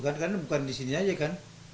karena bukan di sini aja kan